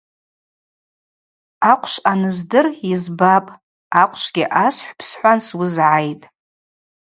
Ахъвшв аныздыр – йызбапӏ, ахъвшвгьи асхӏвпӏ – схӏван суызгӏайтӏ.